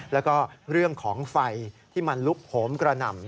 แล้วก็เรื่องของไฟที่มันลุกโหมกระหน่ำ